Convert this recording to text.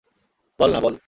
বল না, বল।